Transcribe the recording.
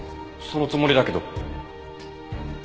そのつもりだけど。